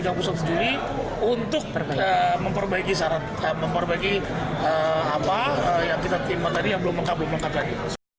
khusus juri untuk memperbaiki syarat memperbaiki apa yang kita timat tadi yang belum lengkap belum lengkap lagi